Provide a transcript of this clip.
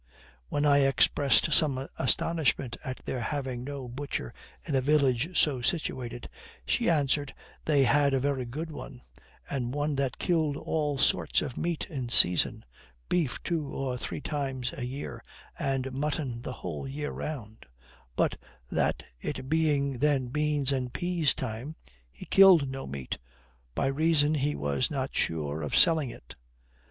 When I expressed some astonishment at their having no butcher in a village so situated, she answered they had a very good one, and one that killed all sorts of meat in season, beef two or three times a year, and mutton the whole year round; but that, it being then beans and peas time, he killed no meat, by reason he was not sure of selling it.